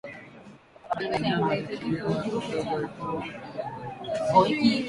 Maharage na nyama vikiiva kidogo ipua